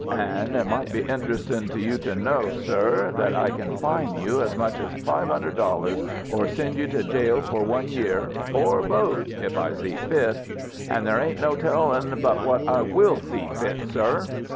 An' it might be interestin' to you to know, sir, that I can find you as much as five hundred dollars, or send you to jail for one year, or both, if I see fit an' there ain't no tellin' but what I will see fit, sir."